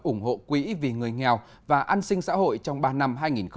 ủng hộ quỹ vì người nghèo và an sinh xã hội trong ba năm hai nghìn một mươi bảy hai nghìn hai mươi